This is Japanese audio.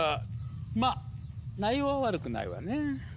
まっ内容は悪くないわね。